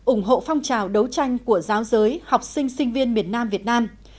ủng hộ phong trào đấu tranh của giáo giới học sinh sinh viên miền nam việt nam